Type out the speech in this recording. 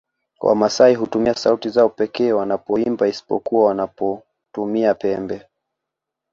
Wamasai hutumia sauti zao pekee wanapoimba isipokuwa wanapotumia pembe